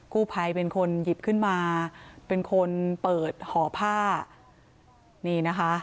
กู้ภัยเป็นคนหยิบขึ้นมาเป็นคนเปิดห่อผ้านี่นะคะ